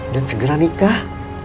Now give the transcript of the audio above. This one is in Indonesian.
dan segera nikah